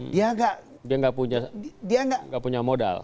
dia tidak punya modal